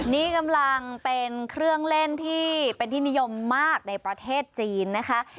นี่กำลังเป็นเครื่องเล่นที่เป็นที่นิยมมากในประเทศจีนนะคะ